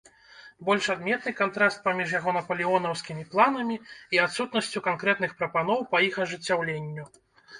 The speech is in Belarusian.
Больш адметны кантраст паміж яго напалеонаўскімі планамі і адсутнасцю канкрэтных прапаноў па іх ажыццяўленню.